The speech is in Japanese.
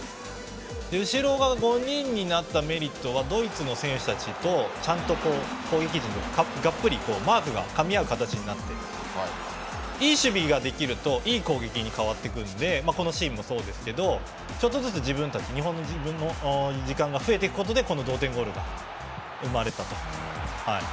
後ろが５人になったメリットはドイツの選手たちとちゃんと攻撃陣ががっぷりマークがかみ合う形になっていい守備ができると、いい攻撃に変わってくるのでちょっとずつ日本の時間が増えていくことで同点ゴールが生まれたと。